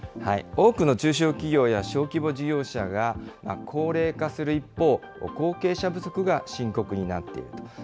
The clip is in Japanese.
多くの中小企業や小規模事業者が高齢化する一方、後継者不足が深刻になっています。